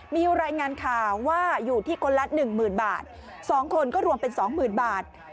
มีรายงานค่าว่าอยู่ที่คนละหนึ่งหมื่นบาทสองคนก็รวมเป็นสองหมื่นบาท